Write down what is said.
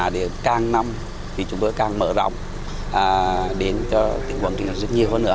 để càng năm thì chúng tôi càng mở rộng đến cho tỉnh quảng trị nhiều hơn nữa